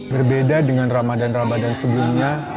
berbeda dengan ramadhan ramadhan sebelumnya